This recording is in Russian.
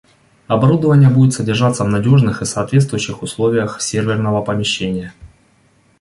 Оборудование будет содержаться в надежных и соответствующих условиях серверного помещения